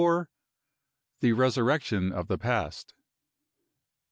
THE RESURRECTION OF THE PAST.